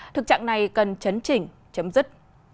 thực trạng này cần chấn chỉnh chấm dứt